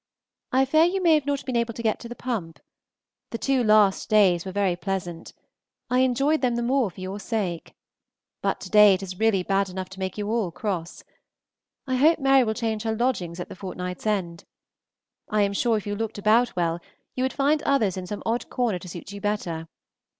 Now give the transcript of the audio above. I fear you may not have been able to get to the Pump. The two last days were very pleasant. I enjoyed them the more for your sake. But to day it is really bad enough to make you all cross. I hope Mary will change her lodgings at the fortnight's end; I am sure, if you looked about well, you would find others in some odd corner to suit you better.